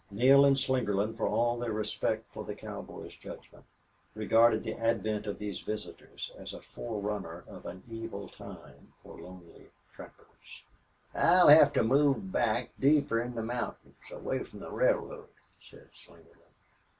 Neale and Slingerland, for all their respect for the cowboy's judgment, regarded the advent of these visitors as a forerunner of an evil time for lonely trappers. "I'll hev to move back deeper in the mountains, away from the railroad," said Slingerland.